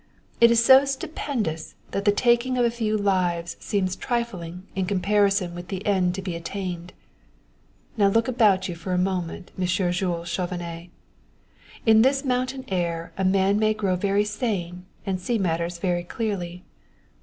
It is so stupendous that the taking of a few lives seems trifling in comparison with the end to be attained. Now look about you for a moment, Monsieur Jules Chauvenet! In this mountain air a man may grow very sane and see matters very clearly.